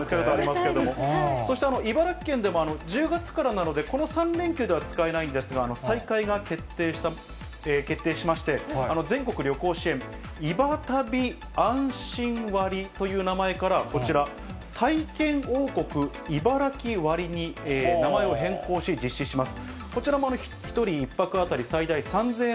そして、茨城県でも１０月からなので、この３連休では使えないんですが、再開が決定しまして、全国旅行支援、いば旅あんしん割という名前から、こちら、体験王国いばらき割に名前を変更し、実施します。